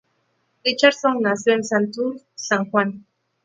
Richardson nació en Santurce, San Juan.